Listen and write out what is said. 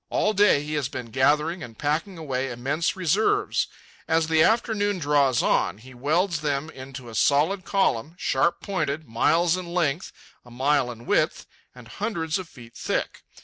All day he has been gathering and packing away immense reserves. As the afternoon draws on, he welds them into a solid column, sharp pointed, miles in length, a mile in width, and hundreds of feet thick.